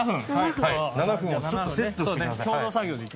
７分をセットしてください。